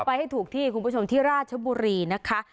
ไปให้ถูกที่คุณผู้ชมที่ราชบุรีนะคะ